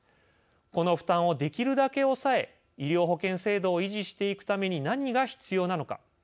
この負担をできるだけ抑え医療保険制度を維持していくために何が必要なのか。